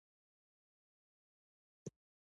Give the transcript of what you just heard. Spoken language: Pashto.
وژنه باید د انساني حافظې نه هېره نه شي